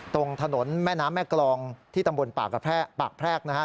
ตรงถนนแม่น้ำแม่กรองที่ตำบลปากแพรกนะฮะ